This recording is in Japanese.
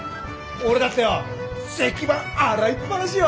俺だってよ石版洗いっぱなしよ！